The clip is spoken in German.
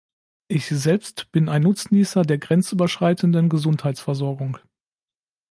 Ich selbst bin ein Nutznießer der grenzüberschreitenden Gesundheitsversorgung.